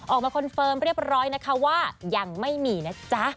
คอนเฟิร์มเรียบร้อยนะคะว่ายังไม่มีนะจ๊ะ